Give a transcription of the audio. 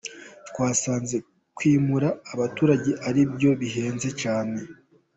Twasanze kwimura abaturage ari byo bihenze cyane.